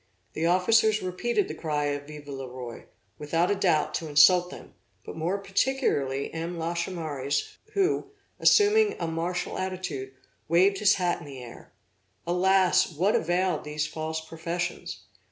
The officers repeated the cry of Vive le Roi, without a doubt, to insult them; but, more particularly, M. Lachaumareys who, assuming a martial attitude, waved his hat in the air. Alas! what availed these false professions?